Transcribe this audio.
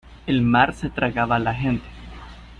y el mar se tragaba la gente.